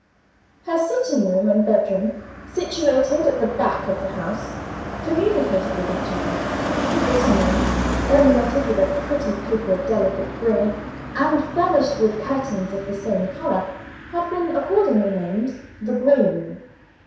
Her sitting room and bedroom, situated at the back of the house, communicated with each other. The sitting room, ornamented with a pretty paper of delicate gray, and furnished with curtains of the same color, had been accordingly named, "The Gray Room."